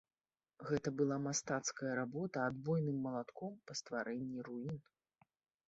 Гэта была мастацкая работа адбойным малатком па стварэнні руін.